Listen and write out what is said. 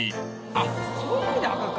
あっそういう意味で赤か。